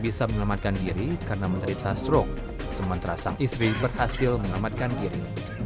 bisa menyelamatkan diri karena menderita stroke sementara sang istri berhasil menyelamatkan diri